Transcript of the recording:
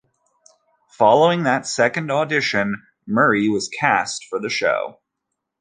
Following that second audition, Murray was cast for the show.